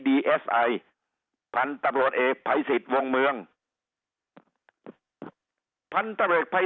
ดีเอสไอพันตรวนเอภัยสิตวงเมืองพันตรวนเอภัย